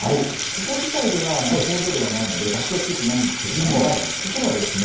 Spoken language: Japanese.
ここ自体では工場ではないので楽器は作ってないんですけれどもここはですね